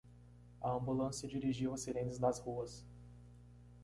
A ambulância dirigiu as sirenes das ruas.